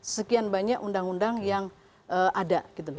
sekian banyak undang undang yang ada